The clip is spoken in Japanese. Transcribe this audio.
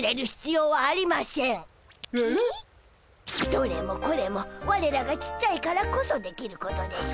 どれもこれもわれらがちっちゃいからこそできることでしゅ。